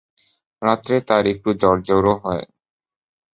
রাতে তার একটু জ্বরজ্বরও হয়।